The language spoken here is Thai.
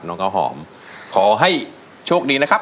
ข้าวหอมขอให้โชคดีนะครับ